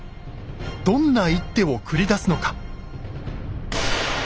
どんな一手を繰り出すのか。